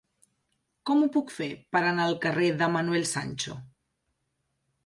Com ho puc fer per anar al carrer de Manuel Sancho?